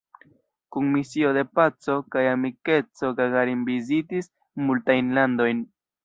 Kun misio de paco kaj amikeco Gagarin vizitis multajn landojn.